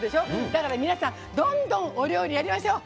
だから皆さんどんどんお料理やりましょう！